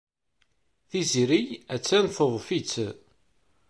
Tiziri attan teḍḍef-itt.